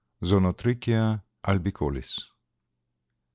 (_Zonotrichia albicollis.